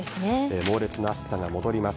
猛烈な暑さが戻ります。